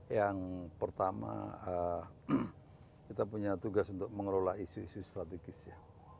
yang pertama kita punya tugas untuk mengelola isu isu strategis ya